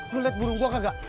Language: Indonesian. lo liat burung gue kagak